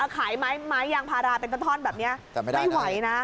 ขายไม้ยางพาราเป็นท่อนแบบนี้ไม่ไหวนะ